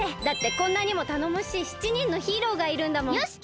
だってこんなにもたのもしい７人のヒーローがいるんだもん！